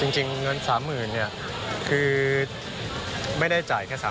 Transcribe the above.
จริงเงิน๓๐๐๐๐บาทคือไม่ได้จ่ายแค่๓๐๐๐๐บาท